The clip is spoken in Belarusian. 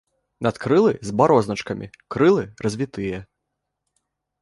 Надкрылы з барозначкамі, крылы развітыя.